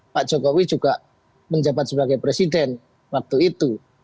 pak jokowi juga menjabat sebagai presiden waktu itu